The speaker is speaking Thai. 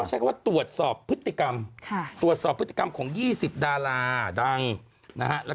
ใช้ว่าตรวจสอบพฤติกรรมของ๒๐ดาราดังนะฮะ